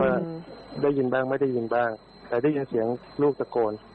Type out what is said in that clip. ว่าได้ยินบ้างไม่ได้ยินบ้างแต่ได้ยินเสียงลูกตะโกน